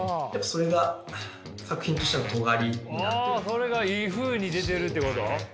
あそれがいいふうに出てるってこと？